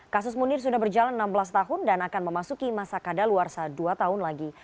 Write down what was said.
kasus munir sudah berjalan enam belas tahun dan akan memasuki masa kadaluarsa dua tahun lagi